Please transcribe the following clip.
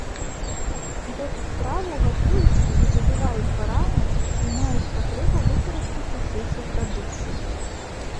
Гэту страву гатуюць, калі забіваюць барана і маюць патрэбу выкарыстаць усе субпрадукты.